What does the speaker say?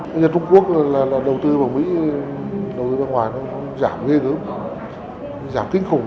nếu như trung quốc đầu tư vào mỹ đầu tư ra ngoài nó giảm nghe ngưỡng giảm kinh khủng